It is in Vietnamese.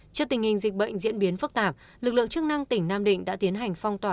trước tình hình dịch bệnh diễn biến phức tạp lực lượng chức năng tỉnh nam định đã tiến hành phong tỏa